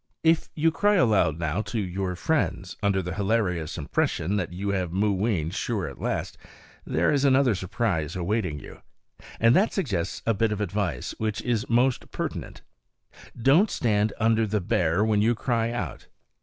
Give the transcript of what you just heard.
If you cry aloud now to your friends, under the hilarious impression that you have Mooween sure at last, there is another surprise awaiting you. And that suggests a bit of advice, which is most pertinent: don't stand under the bear when you cry out.